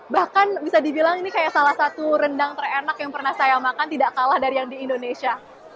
bahkan bisa dibilang ini kayak salah satu rendang terenak yang pernah saya makan tidak kalah dari yang di indonesia